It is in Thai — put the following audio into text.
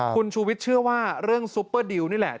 คุณชูวิทย์เชื่อว่าเรื่องซุปเปอร์ดิวนี่แหละ